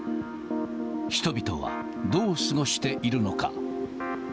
人々はどう過ごしているのか。